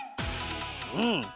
うん！